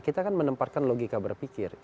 kita kan menempatkan logika berpikir